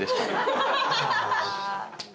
ハハハハッ！